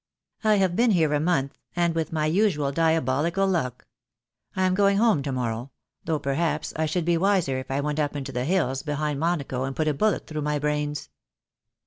"I have been here a month, and with my usual dia bolical luck. I am going home to morrow — though per haps I should be wiser if I went up into the hills behind Monaco and put a bullet through my brains.